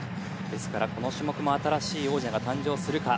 ですから、この種目も新しい王者が誕生するか。